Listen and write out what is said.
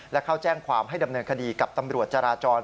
และเข้าแจ้งความให้ดำเนินคดีกับตำรวจจราจร